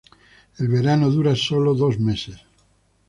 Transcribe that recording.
El verano dura sólo dos meses.